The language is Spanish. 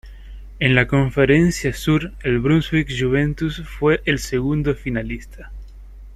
En la conferencia sur el Brunswick Juventus fue el segundo finalista.